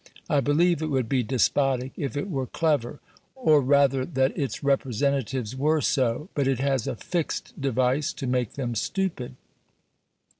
I believe it would be despotic if it were clever, or rather if its representatives were so, but it has a fixed device to make them stupid.